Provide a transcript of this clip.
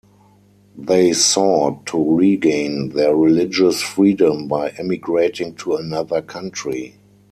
They sought to regain their religious freedom by emigrating to another country.